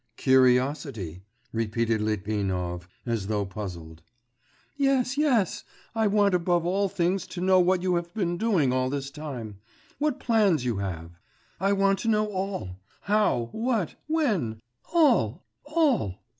'Curiosity,' repeated Litvinov, as though puzzled. 'Yes, yes ... I want above all things to know what you have been doing all this time, what plans you have; I want to know all, how, what, when ... all, all.